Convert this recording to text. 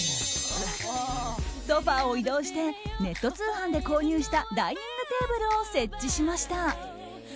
ソファを移動してネット通販で購入したダイニングテーブルを設置しました。